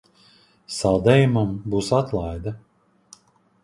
Saldējumam būs atlaide!